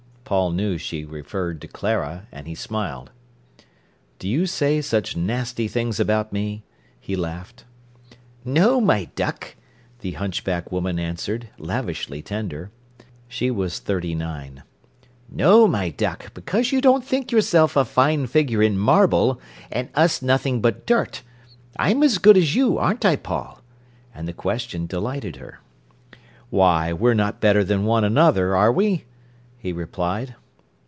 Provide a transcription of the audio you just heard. Paul knew she referred to Clara, and he smiled. "Do you say such nasty things about me?" he laughed. "No, my duck," the hunchback woman answered, lavishly tender. She was thirty nine. "No, my duck, because you don't think yourself a fine figure in marble and us nothing but dirt. I'm as good as you, aren't I, Paul?" and the question delighted her. "Why, we're not better than one another, are we?" he replied.